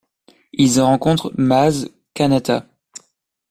Ils y rencontrent Maz Kanata.